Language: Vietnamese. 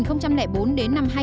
khó khăn khi sống ở việt nam không